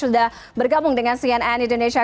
sudah bergabung dengan cnn indonesia